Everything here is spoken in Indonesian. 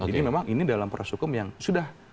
jadi memang ini dalam peras hukum yang sudah